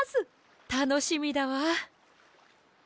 たのしみだわ！